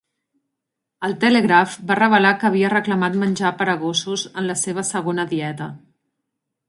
El "Telegraph" va revelar que havia reclamat menjar per a gossos en la seva segona dieta.